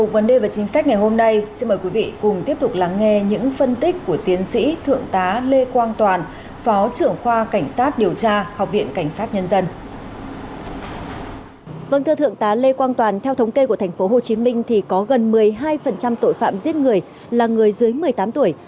vâng thưa thượng tá lê quang toàn theo thống kê của tp hcm thì có gần một mươi hai tội phạm giết người là người dưới một mươi tám tuổi